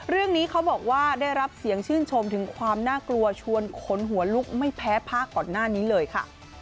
เรื่องนี้เขาบอกว่าได้รับเสียงชื่นชมถึงความน่ากลัวชวนขนหัวลุกไม่แพ้ภาคก่อนหน้านี้เลยค่ะ